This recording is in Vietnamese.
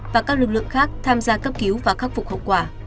và các lực lượng khác tham gia cấp cứu và khắc phục hậu quả